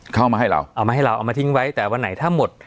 เข้ามาให้เราเอามาให้เราเอามาทิ้งไว้แต่วันไหนถ้าหมด